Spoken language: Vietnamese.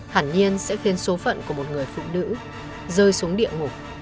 hẳn nhiên sẽ khiến số phận của một người phụ nữ rơi xuống địa ngục